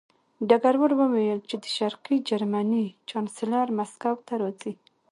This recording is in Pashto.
ډګروال وویل چې د شرقي جرمني چانسلر مسکو ته راځي